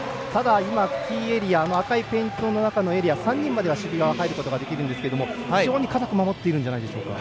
キーエリア赤いペイントの中のエリア３人までは守備側入ることができるんですが非常に堅く守ってるんじゃないでしょうか。